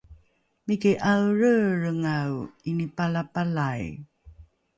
miki ’aelreelrengae ’inipalapalai